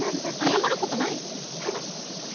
謝ることない。